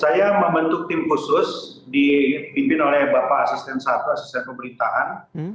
saya membentuk tim khusus dipimpin oleh bapak asisten satu asisten pemerintahan